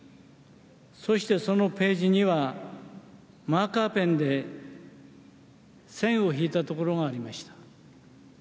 そして、そのページにはマーカーペンで線を引いたところがありました。